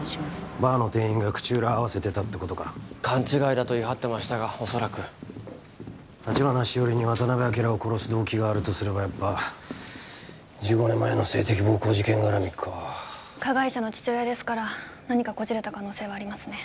バーの店員が口裏合わせてたってことか勘違いだと言い張ってましたがおそらく橘しおりに渡辺昭を殺す動機があるとすればやっぱ１５年前の性的暴行事件がらみか加害者の父親ですから何かこじれた可能性はありますね